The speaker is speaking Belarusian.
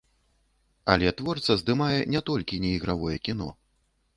Але творца здымае не толькі неігравое кіно.